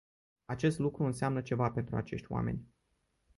Acest lucru înseamnă ceva pentru acești oameni.